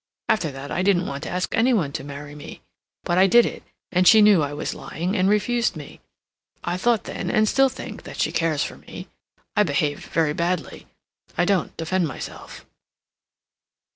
After that I didn't want to ask any one to marry me. But I did it; and she knew I was lying, and refused me. I thought then, and still think, that she cares for me. I behaved very badly. I don't defend myself."